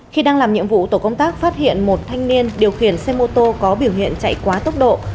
khi đang làm nhiệm vụ tổ công tác phát hiện một thanh niên điều khiển xe mô tô có biểu hiện chạy quá tốc độ